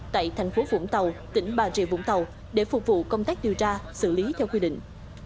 tại thành phố vũng tàu tỉnh bà rịa vũng tàu để phục vụ công tác điều tra xử lý theo quy định